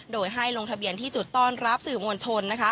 โดยให้ลงทะเบียนที่จุดต้อนรับสื่อมวลชน